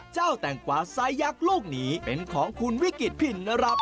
แตงกวาไซสยักษ์ลูกนี้เป็นของคุณวิกฤตพินนรับ